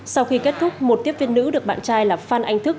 sau khi kết thúc một tiếp viên nữ được bạn trai là phan anh thức